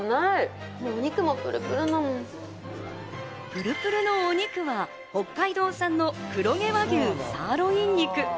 プルプルのお肉は北海道産の黒毛和牛サーロイン肉。